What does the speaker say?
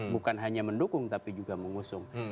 bukan hanya mendukung tapi juga mengusung